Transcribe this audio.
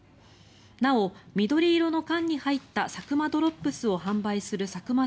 なお、緑色の缶に入ったサクマドロップスを販売するサクマ